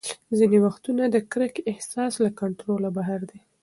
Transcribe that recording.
ځینې وختونه د کرکې احساس له کنټروله بهر دی.